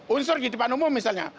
unsur di depan umum misalnya